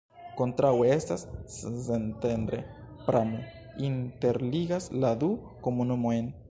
Kontraŭe estas Szentendre, pramo interligas la du komunumojn.